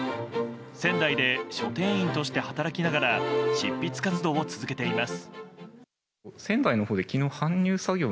仙台で書店員として働きながら執筆活動を続けています。